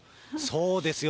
そうですよ。